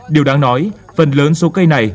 điều đáng nói phần lớn số cây này